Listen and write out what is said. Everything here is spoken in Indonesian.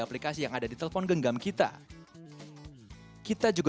jadi ketika anda berada di instagram youtube atau menggali web